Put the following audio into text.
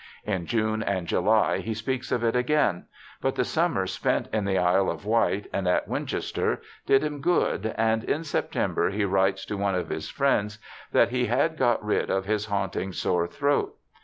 In June and July he speaks of it again, but the summer spent in the Isle of Wight and at Winchester did him good, and in September he writes to one of his friends that he had got rid of his * haunting sore throat'.